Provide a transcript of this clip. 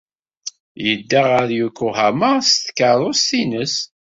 Yedda ɣer Yokohama s tkeṛṛust-nnes.